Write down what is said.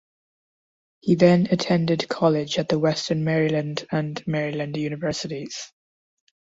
He then attended college at the Western Maryland and Maryland universities.